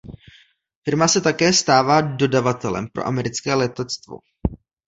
Firma se také stává dodavatelem pro americké letectvo.